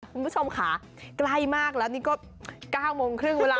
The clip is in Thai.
คุณผู้ชมค่ะใกล้มากแล้วนี่ก็๙โมงครึ่งเวลา